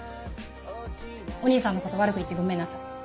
お兄さんのこと悪く言ってごめんなさい。